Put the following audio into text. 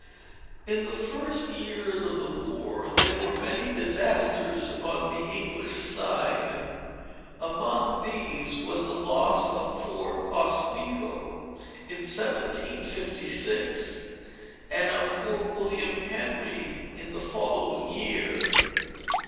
In the first years of the war, there were many disasters on the English side. Among these was the loss of Fort Oswego, in 1756, and of Fort William Henry, in the following year.